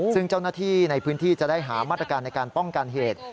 ซึ่งเจ้าหน้าที่ในพื้นที่จะได้หามาตรการในการป้องกันเหตุ